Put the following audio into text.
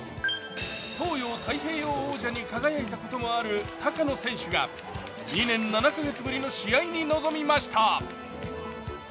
東洋太平洋王者に輝いたこともある高野選手が２年７カ月ぶりの試合に臨みました。